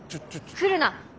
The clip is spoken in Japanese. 来るな。